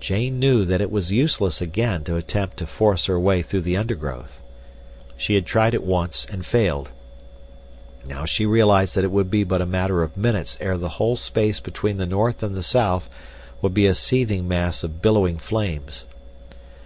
Jane knew that it was useless again to attempt to force her way through the undergrowth. She had tried it once, and failed. Now she realized that it would be but a matter of minutes ere the whole space between the north and the south would be a seething mass of billowing flames.